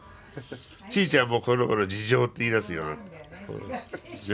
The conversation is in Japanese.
ちーちゃんもこのごろ「事情」って言いだすようになった。